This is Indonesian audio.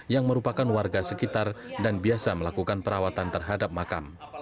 yang merupakan warga sekitar dan biasa melakukan perawatan terhadap makam